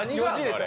あれ。